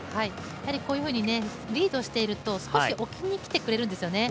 こういうふうにリードしていると、少し置きにきてくれるんですよね。